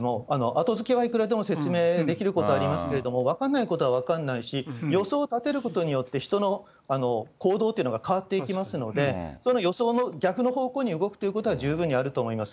後付けはいくらでも、説明できることはありますし、ありますけれども、分からないことは分からないし、予想立てることによって人の行動というのは変わってきますので、その予想の逆の方向に動くということは十分にあると思います。